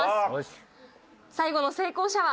最後の成功者は。